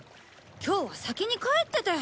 今日は先に帰ってて！